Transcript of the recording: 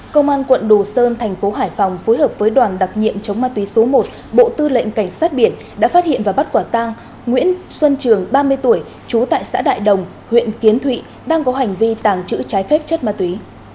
công an quận đồ sơn thành phố hải phòng phối hợp với đoàn đặc nhiệm chống ma túy số một bộ tư lệnh cảnh sát biển đã phát hiện và bắt quả tang nguyễn xuân trường ba mươi tuổi trú tại xã đại đồng huyện kiến thụy đang có hành vi tàng trữ trái phép chất ma túy